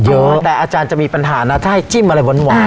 เป็นเราจะกี่กะปิโววทุกอย่าง